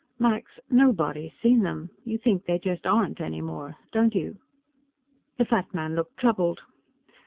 "Max, nobody's seen them. You think they just aren't, any more, don't you?" The fat man looked troubled.